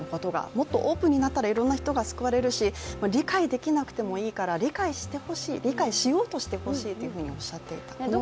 もっとオープンになったらいろいろな人が救われるし、理解してほしい、理解しようとしてほしいとおっしゃっていました。